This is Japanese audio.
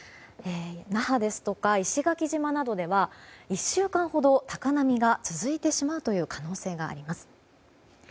那覇や石垣島などでは１週間ほど高波が続いてしまうという可能性があります。